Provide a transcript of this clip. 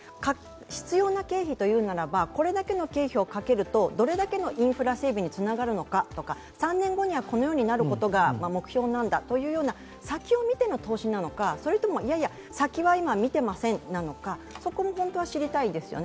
必要な経費というならば、これだけの経費をかけるとどれだけのインフラ整備につながるのかとか３年後にはこのようになることが目標なんだというような先を見ての投資なのか、それともいやいや、先は今見ていませんなのか、そこを知りたいですよね。